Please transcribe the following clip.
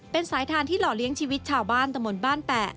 เป็นสายทานที่หล่อเลี้ยงชีวิตชาวบ้านตะมนต์บ้านแปะ